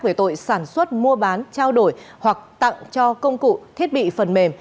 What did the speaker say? về tội sản xuất mua bán trao đổi hoặc tặng cho công cụ thiết bị phần mềm